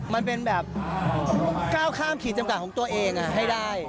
มันเป็นแบบก้าวข้ามขีดจำกัดของตัวเองให้ได้